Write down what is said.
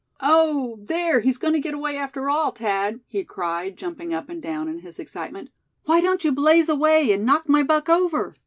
"Oh! there he's going to get away after all, Thad!" he cried, jumping up and down in his excitement; "why don't you blaze away, and knock my buck over?